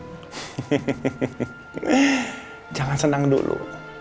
eh jangan senang dulu